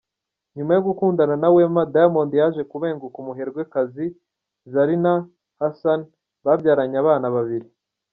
Nyuma yo gukundana na Wema Diamond yaje kubenguka umuherwekazi Zarinah Hassan barabyaranye abana babiri.